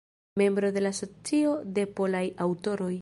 Membro de la Asocio de Polaj Aŭtoroj.